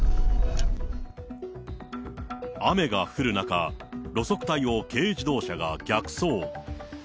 雨が降る中、路側帯を軽自動車が逆走。